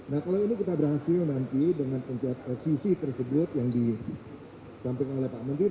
nah kalau ini kita berhasil nanti dengan sisi tersebut yang disampaikan oleh pak menteri